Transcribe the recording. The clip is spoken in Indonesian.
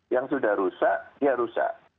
yang sudah rusak dia rusak